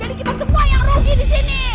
jadi kita semua yang rugi di sini